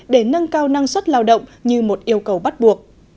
để nâng cao năng suất lao động như một yêu cầu bắt buộc